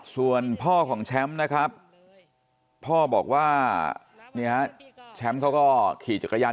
ส่วนพ่อของแชมป์นะครับพ่อบอกว่าแชมป์เขาก็ขี่จักรยาน